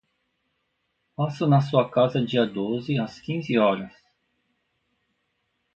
Passo na sua casa dia doze às quinze horas.